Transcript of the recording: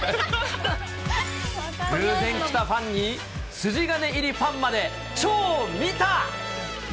偶然来たファンに、筋金入りファンまで、超見た。